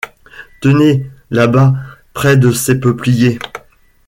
Tenez, là-bas, près de ces peupliers.